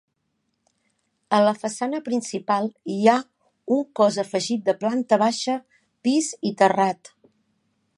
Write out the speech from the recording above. A la façana principal hi ha un cos afegit de planta baixa, pis i terrat.